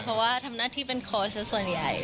เพราะว่าทำหน้าที่เป็นโค้ชสักส่วนใหญ่